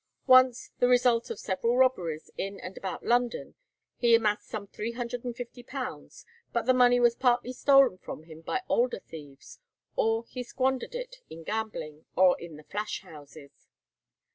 Once, the result of several robberies in and about London, he amassed some £350, but the money was partly stolen from him by older thieves, or he squandered it in gambling, or in the flash houses.